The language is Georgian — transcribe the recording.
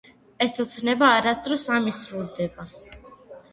- ეს ოცნება არასოდეს ამისრულდება!